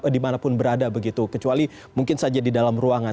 dimanapun berada begitu kecuali mungkin saja di dalam ruangan